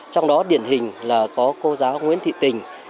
trong đó điển hình là có cô giáo nguyễn thị tình